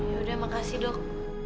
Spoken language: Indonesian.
ya sudah terima kasih dok